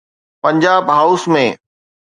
Punjab house ۾.